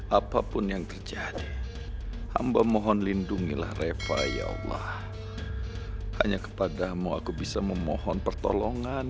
apapun yang terjadi hamba mohon lindungilah refa ya allah hanya kepadamu aku bisa memohon pertolongan